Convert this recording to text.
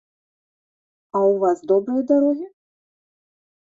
А ў вас добрыя дарогі?